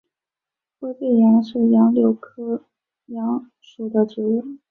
灰背杨是杨柳科杨属的植物。